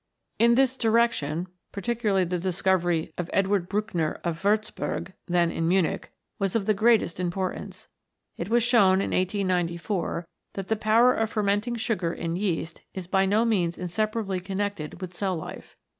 In this direction, particularly the discovery of Edward Buchner, of Wurzburg, then in Munich, was of the greatest importance. It was shown in 1894 that the power of fermenting sugar in yeast is by no means inseparably connected with cell life.